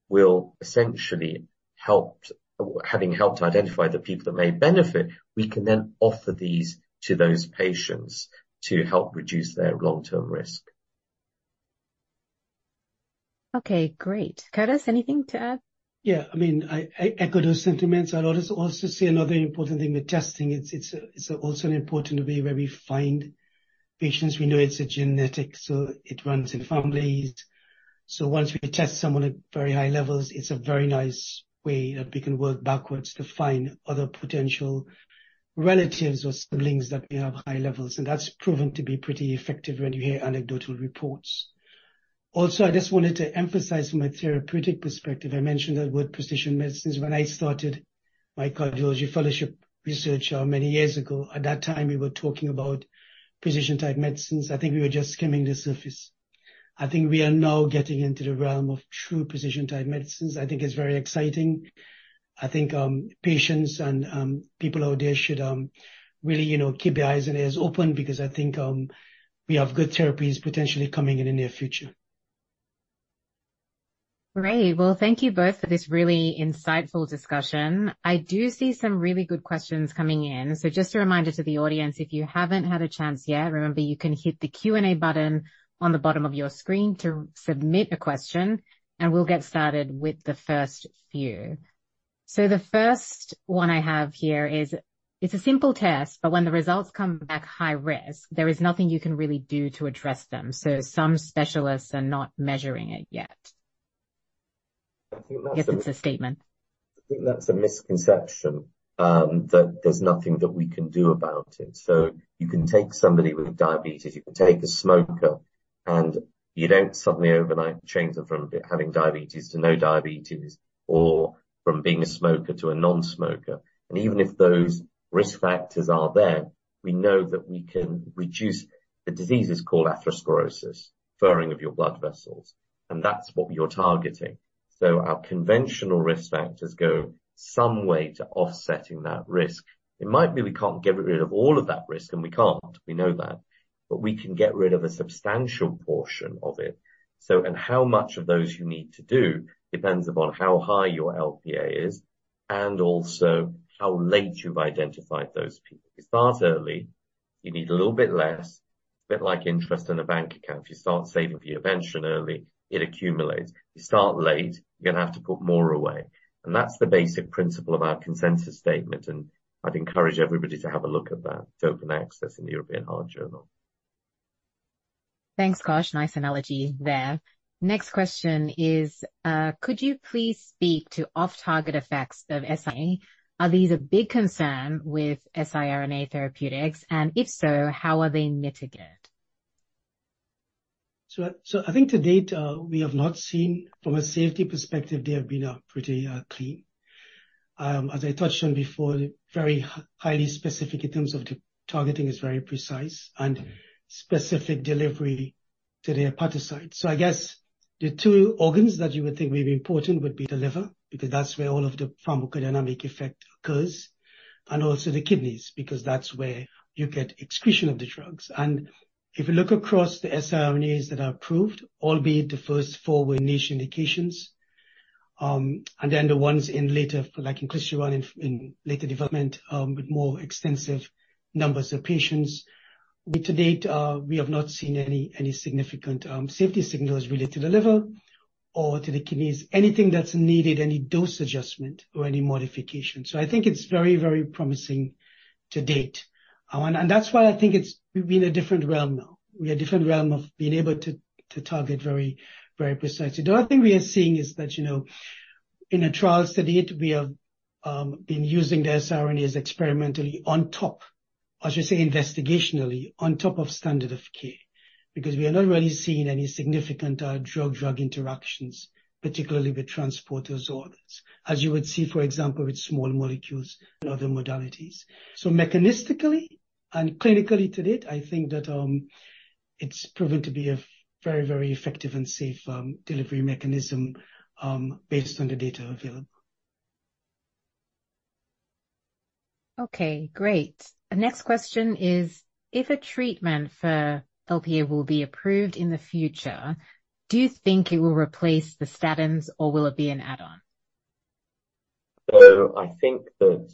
will essentially helped—Having helped identify the people that may benefit, we can then offer these to those patients to help reduce their long-term risk. Okay, great. Curtis, anything to add? Yeah, I mean, I, I echo those sentiments. I'll also, also say another important thing with testing, it's, it's, it's also an important way where we find patients. We know it's genetic, so it runs in families. So once we test someone at very high levels, it's a very nice way that we can work backwards to find other potential relatives or siblings that may have high levels, and that's proven to be pretty effective when you hear anecdotal reports. Also, I just wanted to emphasize from a therapeutic perspective, I mentioned the word precision medicines. When I started my cardiology fellowship research, many years ago, at that time, we were talking about precision-type medicines. I think we were just skimming the surface. I think we are now getting into the realm of true precision-type medicines. I think it's very exciting. I think, patients and, people out there should, really, you know, keep their eyes and ears open because I think, we have good therapies potentially coming in the near future. Great. Well, thank you both for this really insightful discussion. I do see some really good questions coming in. So just a reminder to the audience, if you haven't had a chance yet, remember, you can hit the Q&A button on the bottom of your screen to submit a question, and we'll get started with the first few. So the first one I have here is: It's a simple test, but when the results come back high risk, there is nothing you can really do to address them, so some specialists are not measuring it yet. If it's a statement. I think that's a misconception that there's nothing that we can do about it. So you can take somebody with diabetes, you can take a smoker, and you don't suddenly, overnight, change them from having diabetes to no diabetes or from being a smoker to a non-smoker. And even if those risk factors are there, we know that we can reduce the diseases called atherosclerosis, furring of your blood vessels, and that's what you're targeting. So our conventional risk factors go some way to offsetting that risk. It might be we can't get rid of all of that risk, and we can't. We know that, but we can get rid of a substantial portion of it. So... And how much of those you need to do depends upon how high your Lp(a) is and also how late you've identified those people. You start early, you need a little bit less. It's a bit like interest in a bank account. If you start saving for your pension early, it accumulates. You start late, you're gonna have to put more away. That's the basic principle of our consensus statement, and I'd encourage everybody to have a look at that. It's open access in the European Heart Journal. Thanks, Kash. Nice analogy there. Next question is, could you please speak to off-target effects of SI? Are these a big concern with siRNA therapeutics, and if so, how are they mitigated? So I think to date, we have not seen from a safety perspective, they have been pretty clean. As I touched on before, highly specific in terms of the targeting is very precise and specific delivery to the hepatocyte. So I guess the two organs that you would think may be important would be the liver, because that's where all of the pharmacodynamic effect occurs, and also the kidneys, because that's where you get excretion of the drugs. And if you look across the siRNAs that are approved, albeit the first four were niche indications, and then the ones in later, like inclisiran, in later development, with more extensive numbers of patients, we to date, we have not seen any, any significant, safety signals related to the liver or to the kidneys, anything that's needed, any dose adjustment or any modification. So I think it's very, very promising to date. And, and that's why I think it's, we're in a different realm now. We're in a different realm of being able to, to target very, very precisely. The other thing we are seeing is that, you know, in a trial study, we have been using the siRNAs experimentally on top, I should say, investigationally on top of standard of care, because we are not really seeing any significant drug-drug interactions, particularly with transporter disorders, as you would see, for example, with small molecules and other modalities. So mechanistically and clinically to date, I think that it's proven to be a very, very effective and safe delivery mechanism based on the data available. Okay, great. The next question is: If a treatment for Lp(a) will be approved in the future, do you think it will replace the statins, or will it be an add-on? So I think that,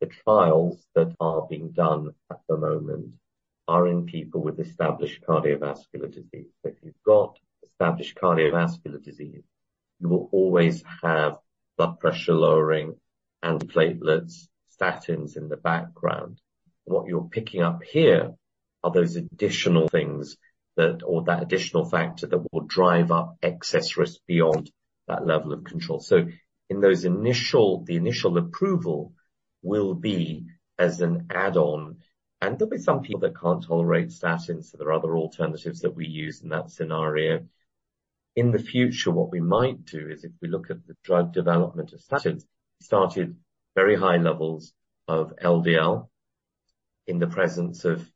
the trials that are being done at the moment are in people with established cardiovascular disease. If you've got established cardiovascular disease, you will always have blood pressure lowering and platelets, statins in the background. What you're picking up here are those additional things that, or that additional factor that will drive up excess risk beyond that level of control. So the initial approval will be as an add-on, and there'll be some people that can't tolerate statins, so there are other alternatives that we use in that scenario. In the future, what we might do is if we look at the drug development of statins, started very high levels of LDL in the presence of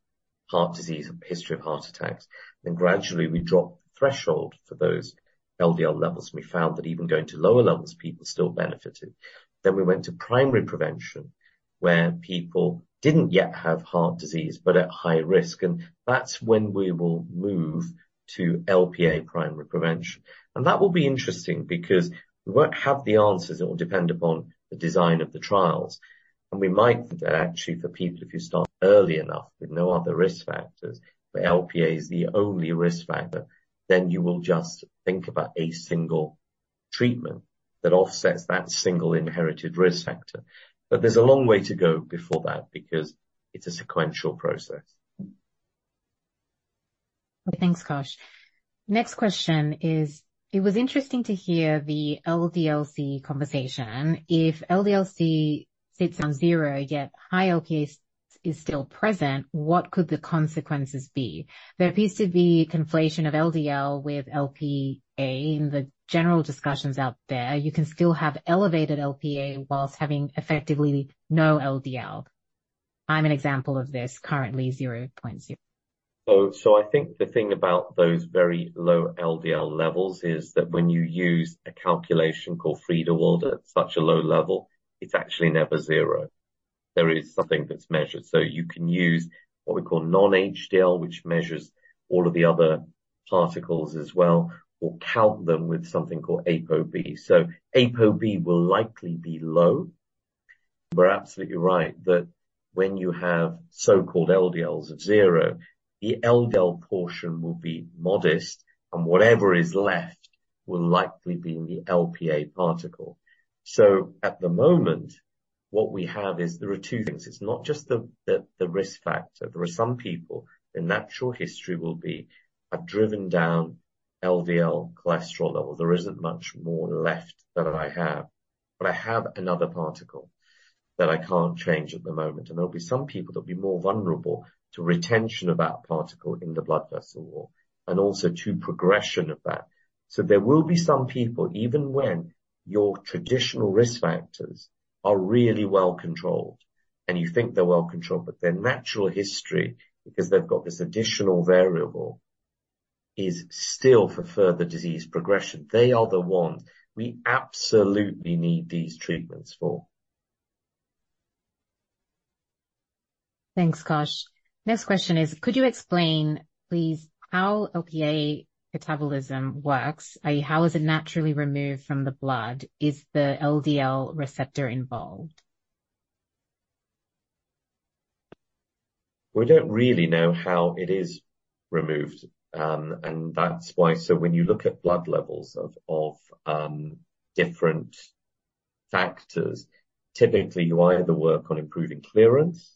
heart disease, a history of heart attacks, then gradually we dropped the threshold for those LDL levels, and we found that even going to lower levels, people still benefited. Then we went to primary prevention, where people didn't yet have heart disease, but at high risk, and that's when we will move to Lp primary prevention. And that will be interesting because we won't have the answers. It will depend upon the design of the trials, and we might, that actually for people, if you start early enough with no other risk factors, where Lp is the only risk factor, then you will just think about a single treatment that offsets that single inherited risk factor. But there's a long way to go before that, because it's a sequential process. Thanks, Kausik. Next question is: It was interesting to hear the LDL-C conversation. If LDL-C sits on zero, yet high Lp is still present, what could the consequences be? There appears to be conflation of LDL with Lp in the general discussions out there. You can still have elevated Lp whilst having effectively no LDL. I'm an example of this, currently 0.0. So, I think the thing about those very low LDL levels is that when you use a calculation called Friedewald, at such a low level, it's actually never zero. There is something that's measured. So you can use what we call non-HDL, which measures all of the other particles as well, or count them with something called ApoB. So ApoB will likely be low. We're absolutely right, that when you have so-called LDLs of zero, the LDL portion will be modest, and whatever is left will likely be in the Lp particle. So at the moment, what we have is there are two things. It's not just the risk factor. There are some people, their natural history will be, I've driven down LDL cholesterol level. There isn't much more left that I have, but I have another particle that I can't change at the moment, and there'll be some people that will be more vulnerable to retention of that particle in the blood vessel wall, and also to progression of that. So there will be some people, even when your traditional risk factors are really well controlled, and you think they're well controlled, but their natural history, because they've got this additional variable, is still for further disease progression. They are the ones we absolutely need these treatments for. Thanks, Kash. Next question is: Could you explain, please, how Lp metabolism works? How is it naturally removed from the blood? Is the LDL receptor involved? We don't really know how it is removed, and that's why. So when you look at blood levels of different factors, typically, you either work on improving clearance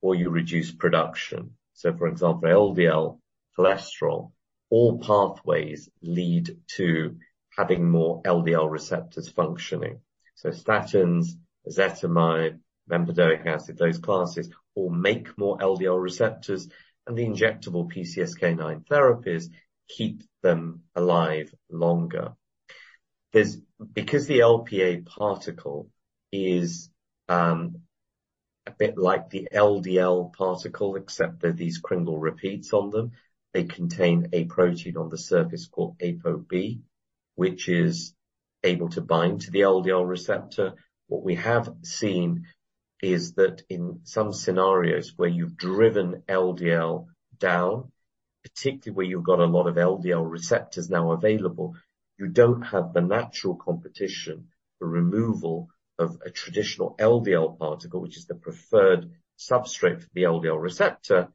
or you reduce production. So for example, LDL cholesterol, all pathways lead to having more LDL receptors functioning. So statins, ezetimibe, bempedoic acid, those classes, will make more LDL receptors, and the injectable PCSK9 therapies keep them alive longer. There's because the Lp particle is a bit like the LDL particle, except that these kringle repeats on them, they contain a protein on the surface called ApoB, which is able to bind to the LDL receptor. What we have seen is that in some scenarios where you've driven LDL down, particularly where you've got a lot of LDL receptors now available, you don't have the natural competition for removal of a traditional LDL particle, which is the preferred substrate for the LDL receptor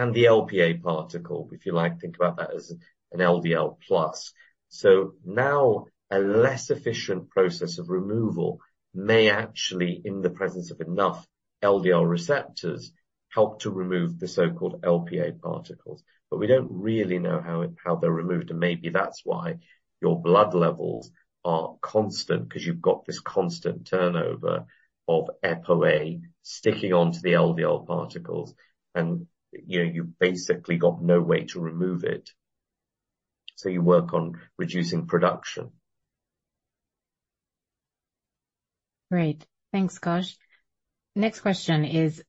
and the Lp particle. If you like, think about that as an LDL plus. So now, a less efficient process of removal may actually, in the presence of enough LDL receptors, help to remove the so-called Lp particles. But we don't really know how, how they're removed, and maybe that's why your blood levels are constant, because you've got this constant turnover of Apo sticking onto the LDL particles, and, you know, you've basically got no way to remove it. So you work on reducing production. Great. Thanks, Kausik. Next question is: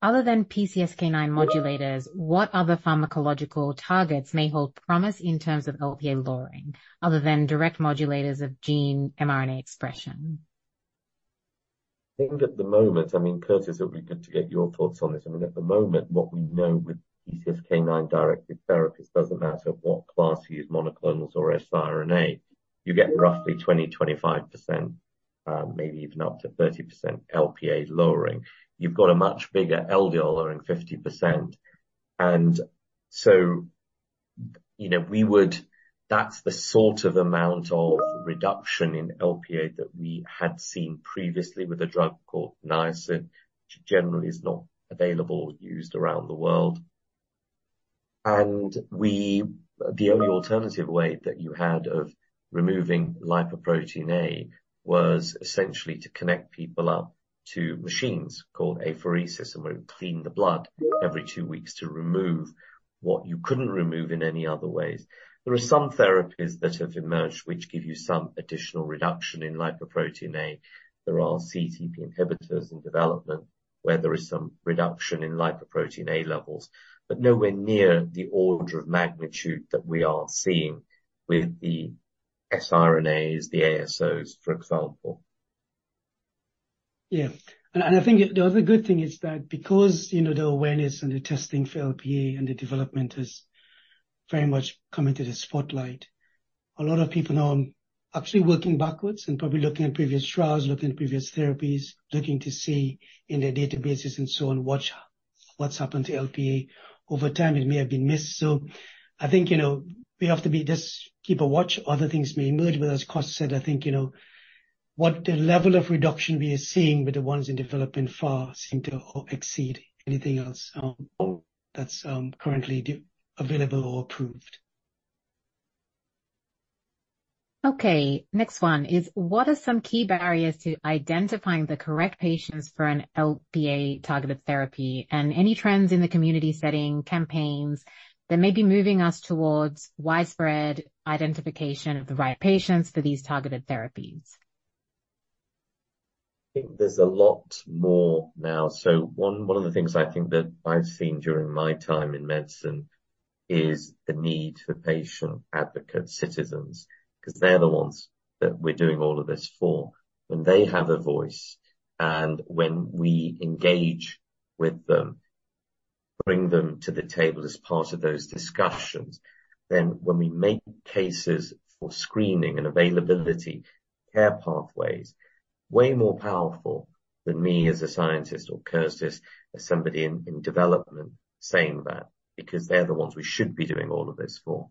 Other than PCSK9 modulators, what other pharmacological targets may hold promise in terms of Lp lowering, other than direct modulators of gene mRNA expression? I think at the moment, I mean, Curtis, it would be good to get your thoughts on this. I mean, at the moment, what we know with PCSK9-directed therapies, doesn't matter what class you use, monoclonals or siRNA, you get roughly 20-25%, maybe even up to 30% Lp lowering. You've got a much bigger LDL lowering, 50%. You know, that's the sort of amount of reduction in Lp that we had seen previously with a drug called niacin, which generally is not available or used around the world. And the only alternative way that you had of removing lipoprotein(a) was essentially to connect people up to machines called apheresis, where you clean the blood every two weeks to remove what you couldn't remove in any other ways. There are some therapies that have emerged which give you some additional reduction in lipoprotein(a). There are CETP inhibitors in development, where there is some reduction in lipoprotein(a) levels, but nowhere near the order of magnitude that we are seeing with the siRNAs, the ASOs, for example. Yeah. And, and I think the other good thing is that because, you know, the awareness and the testing for Lp and the development has very much come into the spotlight, a lot of people are now actually working backwards and probably looking at previous trials, looking at previous therapies, looking to see in their databases and so on, what, what's happened to Lp over time, it may have been missed. So I think, you know, we have to be just keep a watch. Other things may emerge, but as Kausik said, I think, you know, what the level of reduction we are seeing with the ones in development far seem to exceed anything else, that's currently available or approved. Okay. Next one is: What are some key barriers to identifying the correct patients for an Lp targeted therapy? And any trends in the community setting, campaigns that may be moving us towards widespread identification of the right patients for these targeted therapies. I think there's a lot more now. So one, one of the things I think that I've seen during my time in medicine is the need for patient advocate citizens, 'cause they're the ones that we're doing all of this for. When they have a voice, and when we engage with them, bring them to the table as part of those discussions, then when we make cases for screening and availability, care pathways, way more powerful than me as a scientist or Curtis, as somebody in, in development saying that, because they're the ones we should be doing all of this for.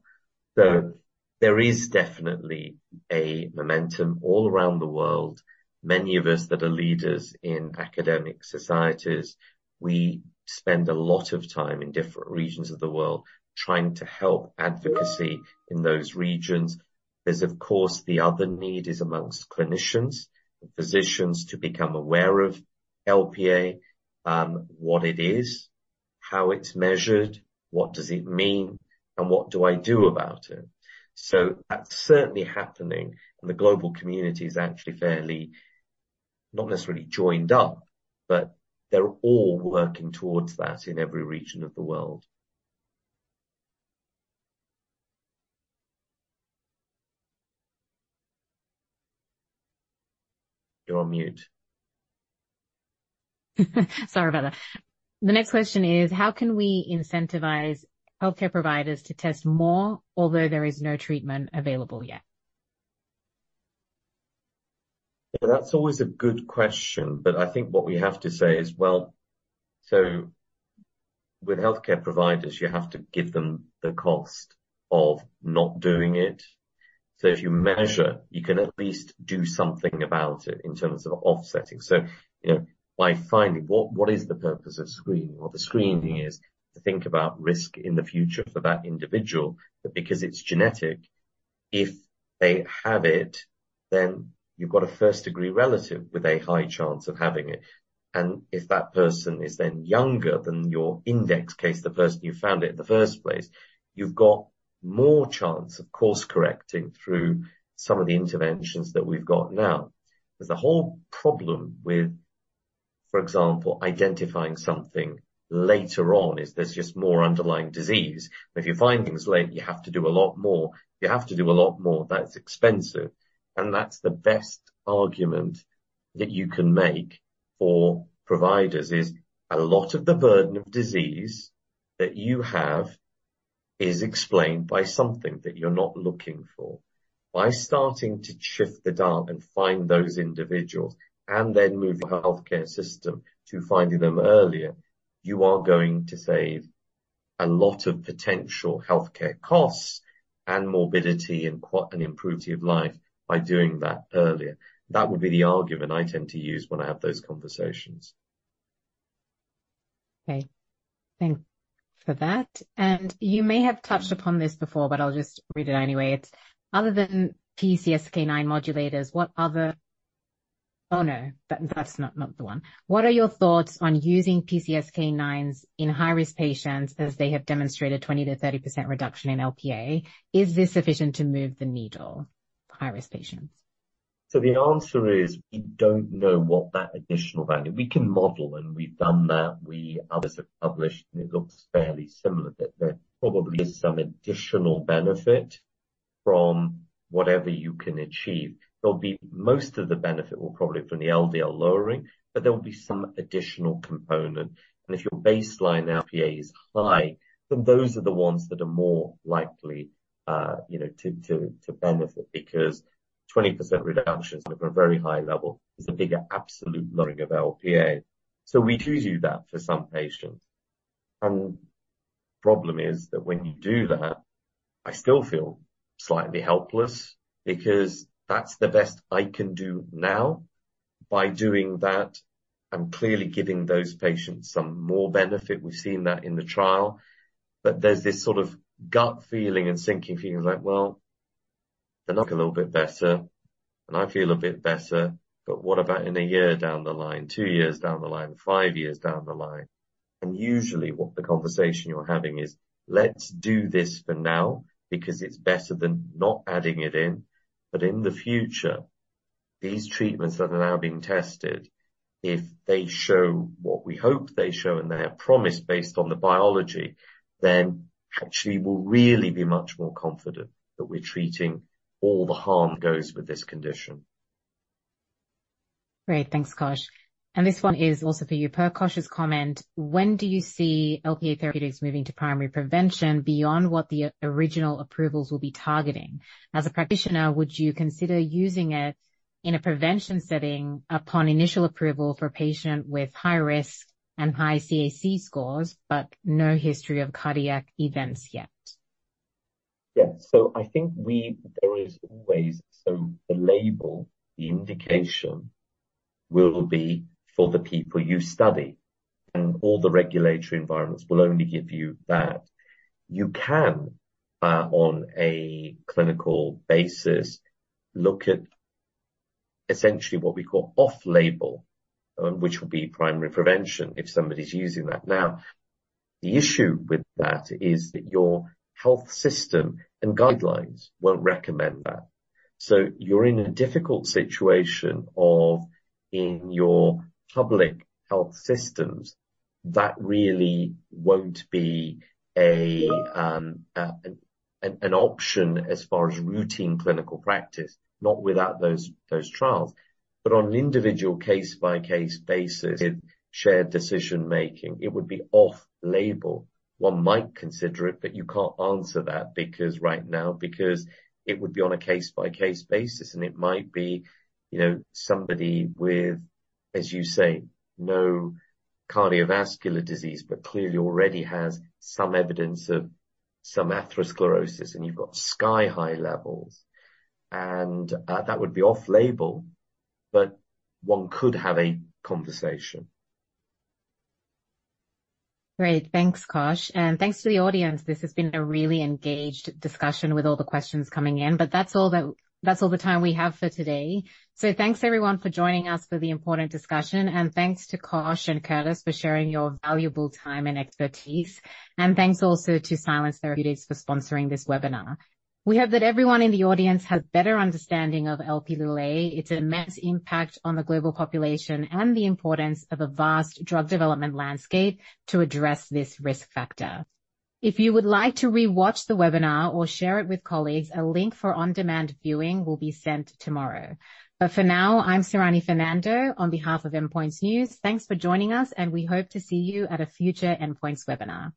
So there is definitely a momentum all around the world. Many of us that are leaders in academic societies, we spend a lot of time in different regions of the world trying to help advocacy in those regions. There's, of course, the other need among clinicians and physicians to become aware of Lp(a), what it is, how it's measured, what does it mean, and what do I do about it? So that's certainly happening, and the global community is actually fairly, not necessarily joined up, but they're all working towards that in every region of the world. You're on mute. Sorry about that. The next question is: How can we incentivize healthcare providers to test more, although there is no treatment available yet? Yeah, that's always a good question, but I think what we have to say is, well, so with healthcare providers, you have to give them the cost of not doing it. So if you measure, you can at least do something about it in terms of offsetting. So, you know, by finding what, what is the purpose of screening? Well, the screening is to think about risk in the future for that individual, but because it's genetic, if they have it, then you've got a first-degree relative with a high chance of having it. And if that person is then younger than your index case, the person you found it in the first place, you've got more chance of course-correcting through some of the interventions that we've got now. There's a whole problem with, for example, identifying something later on, is there's just more underlying disease. If you find things late, you have to do a lot more. You have to do a lot more. That's expensive, and that's the best argument that you can make for providers: a lot of the burden of disease that you have is explained by something that you're not looking for. By starting to shift the dial and find those individuals, and then move the healthcare system to finding them earlier, you are going to save a lot of potential healthcare costs and morbidity and improve quality of life by doing that earlier. That would be the argument I tend to use when I have those conversations. Okay. Thank you for that. And you may have touched upon this before, but I'll just read it anyway. What are your thoughts on using PCSK9s in high-risk patients, as they have demonstrated 20%-30% reduction in Lp(a)? Is this sufficient to move the needle, high-risk patients? So the answer is, we don't know what that additional value. We can model, and we've done that. We, others have published, and it looks fairly similar, that there probably is some additional benefit from whatever you can achieve. There'll be... Most of the benefit will probably be from the LDL lowering, but there will be some additional component. And if your baseline Lp is high, then those are the ones that are more likely, you know, to benefit, because 20% reductions at a very high level is a bigger absolute lowering of Lp... So we do do that for some patients. And the problem is that when you do that, I still feel slightly helpless because that's the best I can do now. By doing that, I'm clearly giving those patients some more benefit. We've seen that in the trial, but there's this sort of gut feeling and sinking feeling like, well, they're not a little bit better, and I feel a bit better, but what about in a year down the line, two years down the line, five years down the line? Usually, what the conversation you're having is, let's do this for now because it's better than not adding it in. But in the future, these treatments that are now being tested, if they show what we hope they show, and they have promised based on the biology, then actually we'll really be much more confident that we're treating all the harm that goes with this condition. Great. Thanks, Kausik. This one is also for you. Per Kausik's comment, when do you see Lp(a) therapeutics moving to primary prevention beyond what the original approvals will be targeting? As a practitioner, would you consider using it in a prevention setting upon initial approval for a patient with high risk and high CAC scores, but no history of cardiac events yet? Yeah. So I think there is always, so the label, the indication, will be for the people you study, and all the regulatory environments will only give you that. You can on a clinical basis, look at essentially what we call off-label, which will be primary prevention, if somebody's using that. Now, the issue with that is that your health system and guidelines won't recommend that. So you're in a difficult situation of in your public health systems, that really won't be an option as far as routine clinical practice, not without those, those trials. But on an individual case-by-case basis, with shared decision-making, it would be off-label. One might consider it, but you can't answer that, because right now, because it would be on a case-by-case basis, and it might be, you know, somebody with, as you say, no cardiovascular disease, but clearly already has some evidence of some atherosclerosis, and you've got sky-high levels. And that would be off-label, but one could have a conversation. Great. Thanks, Kausik. And thanks to the audience. This has been a really engaged discussion with all the questions coming in. But that's all the, that's all the time we have for today. So thanks, everyone, for joining us for the important discussion. And thanks to Kausik and Curtis for sharing your valuable time and expertise. And thanks also to Silence Therapeutics for sponsoring this webinar. We hope that everyone in the audience has better understanding of Lp(a), its immense impact on the global population, and the importance of a vast drug development landscape to address this risk factor. If you would like to rewatch the webinar or share it with colleagues, a link for on-demand viewing will be sent tomorrow. But for now, I'm Surani Fernando. On behalf of Endpoints News, thanks for joining us, and we hope to see you at a future Endpoints webinar.